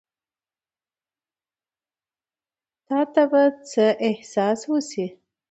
تا ته به څۀ احساس وشي ـ